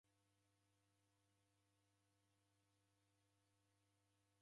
W'adeuza vilambo vape ghali